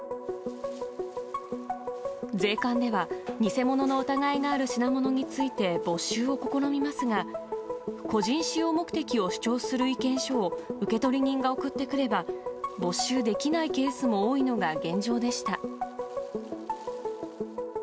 税関では、偽物の疑いのある品物について、没収を試みますが、個人使用目的を主張する意見書を受取人が送ってくれば、没収できないケースも多いのが現状でした。